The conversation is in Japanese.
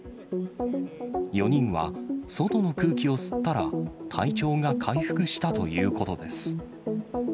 ４人は外の空気を吸ったら、体調が回復したということです。